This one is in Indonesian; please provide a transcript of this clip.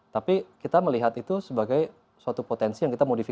tapi kita melihat itu sebagai ide yang lebih ke luar negeri